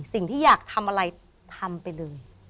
สิ่งที่อยากทำอะไรทำไปเลย